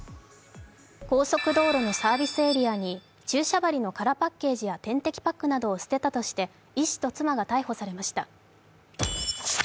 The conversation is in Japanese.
高速道路のサービスエリアに注射針の空パッケージや点滴パックなどを捨てたとして医師と妻が逮捕されました。